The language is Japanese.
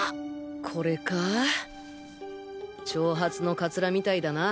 これか長髪のカツラみたいだな。